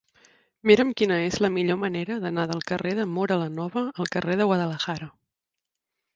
Mira'm quina és la millor manera d'anar del carrer de Móra la Nova al carrer de Guadalajara.